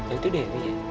itu dewi ya